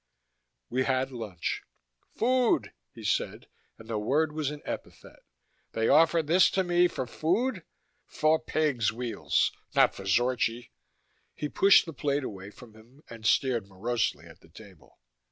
We had lunch. "Food!" he said, and the word was an epithet. "They offer this to me for food! For pigs, Weels. Not for Zorchi!" He pushed the plate away from him and stared morosely at the table.